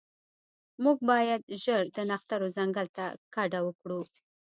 موږ باید ژر د نښترو ځنګل ته کډه وکړو